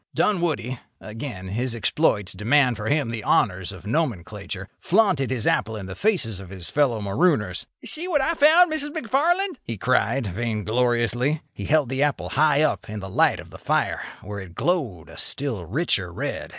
Dunwoody—again his exploits demand for him the honours of nomenclature—flaunted his apple in the faces of his fellow marooners. "See what I found, Mrs. McFarland!" he cried, vaingloriously. He held the apple high up in the light of the fire, where it glowed a still richer red.